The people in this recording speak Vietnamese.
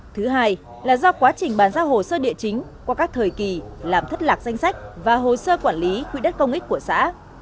thứ hai là do quá trình bàn giao hồ sơ địa chính qua các thời kỳ làm thất lạc danh sách và hồ sơ quản lý quỹ đất công ích của xã